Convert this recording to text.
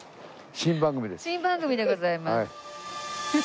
新番組でございます。